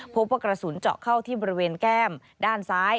พบว่ากระสุนเจาะเข้าที่บริเวณแก้มด้านซ้าย